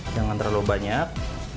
jangan terlalu banyak